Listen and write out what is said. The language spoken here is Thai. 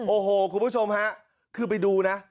โอ้โหคุณผู้ชมฮะคือไปดูนะ